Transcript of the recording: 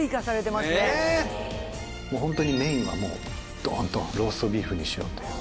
ホントにメインはドンとローストビーフにしようと。